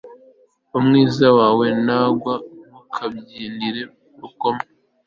umwanzi wawe nagwa, ntukabyinire ku rukoma